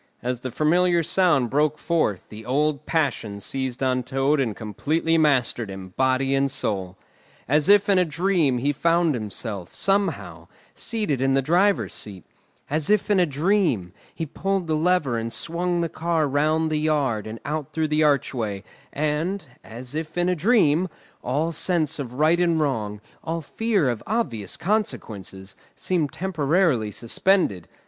As the familiar sound broke forth, the old passion seized on Toad and completely mastered him, body and soul. As if in a dream he found himself, somehow, seated in the driver's seat; as if in a dream, he pulled the lever and swung the car round the yard and out through the archway; and, as if in a dream, all sense of right and wrong, all fear of obvious consequences, seemed temporarily suspended.